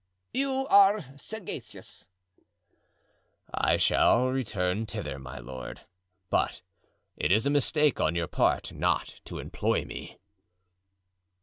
"You are sagacious." "I shall return thither, my lord, but it is a mistake on your part not to employ me."